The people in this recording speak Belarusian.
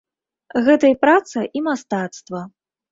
Гэта і праца, і мастацтва.